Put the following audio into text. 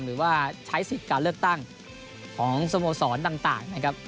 หรือว่าใช้สิทธิ์การเลือกตั้งของสโมสรต่างนะครับ